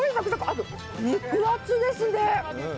あと肉厚ですね。